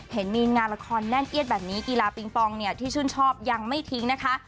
เห็นมีงานละครแน่นเอียดแบบนี้กีฬาปิงปองเนี่ยที่ชื่นชอบยังไม่ทิ้งนะคะ